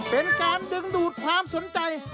เป็นการดึงดูดความสนใจ